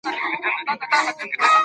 د هغه ياد د اعتدال سره تړل کېږي.